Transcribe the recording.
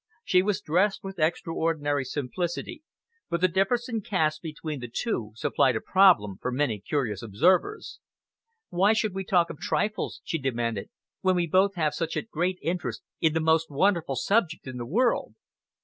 She was dressed with extraordinary simplicity, but the difference in caste between the two supplied a problem for many curious observers. "Why should we talk of trifles," she demanded, "when we both have such a great interest in the most wonderful subject in the world?"